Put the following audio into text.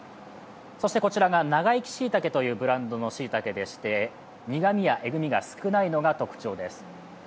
そしてこちらが長生き椎茸というブランドのしいたけでして、苦味やえぐみが少ないのが特徴です。